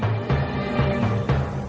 kau akan membantumu